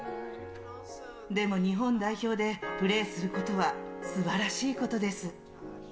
でも、日本代表でプレーすることはすばらしいことです。